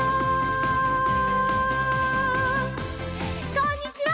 こんにちは！